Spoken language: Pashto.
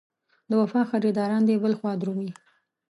د وفا خریداران دې بل خوا درومي.